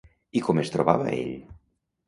I com es trobava ell?